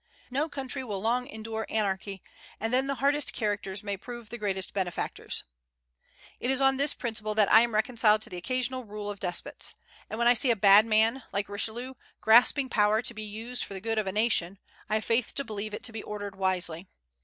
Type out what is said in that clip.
No country will long endure anarchy; and then the hardest characters may prove the greatest benefactors. It is on this principle that I am reconciled to the occasional rule of despots. And when I see a bad man, like Richelieu, grasping power to be used for the good of a nation, I have faith to believe it to be ordered wisely.